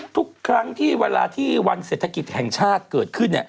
ทุกครั้งที่เวลาที่วันเศรษฐกิจแห่งชาติเกิดขึ้น